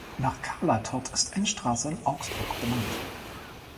Nach Clara Tott ist eine Straße in Augsburg benannt.